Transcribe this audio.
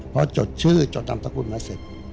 เพราะจดชื่อจดอำนาคตกุลมาเสร็จ